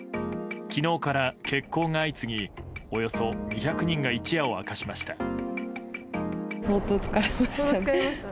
昨日から欠航が相次ぎおよそ２００人が一夜を明かしました。